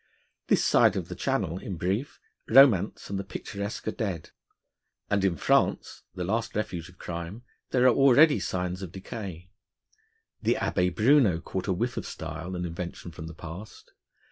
This side the Channel, in brief, romance and the picturesque are dead; and in France, the last refuge of crime, there are already signs of decay. The Abbé Bruneau caught a whiff of style and invention from the past.